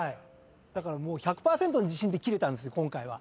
だから１００％の自信で切れたんですよ今回は。